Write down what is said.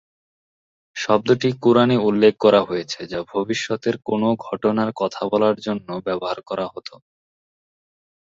শব্দটি কুরআনে উল্লেখ করা হয়েছে যা ভবিষ্যতের কোনও ঘটনার কথা বলার জন্য ব্যবহার করা হত।